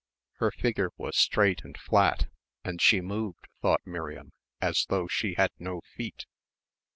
Her figure was straight and flat, and she moved, thought Miriam, as though she had no feet.